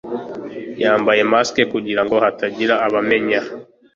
Yambaye mask kugirango hatagira ubamenya